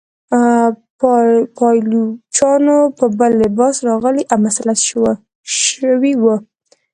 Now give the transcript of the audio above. پایلوچان په بل لباس راغلي او مسلط شوي وه.